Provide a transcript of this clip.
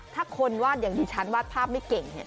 ถ้าคนวาดอย่างที่ช้างวาดภาพไม่เก่ง